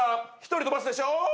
１人飛ばすでしょ？